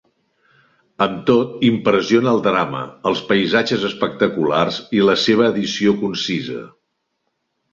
Amb tot impressiona el drama, els paisatges espectaculars i la seva edició concisa.